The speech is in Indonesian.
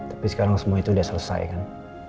tapi sekarang semua itu sudah selesai kan